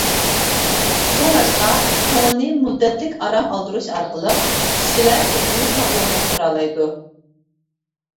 شۇڭلاشقا كۆڭۈلنى مۇددەتلىك ئارام ئالدۇرۇش ئارقىلىق، كىشىلەر ئۆزىنى ساغلاملاشتۇرالايدۇ.